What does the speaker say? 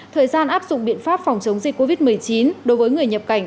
thời gian áp dụng biện pháp phòng chống dịch covid một mươi chín đối với người nhập cảnh